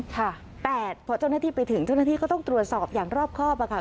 แต่พอเจ้าหน้าที่ไปถึงเจ้าหน้าที่ก็ต้องตรวจสอบอย่างรอบครอบอะค่ะ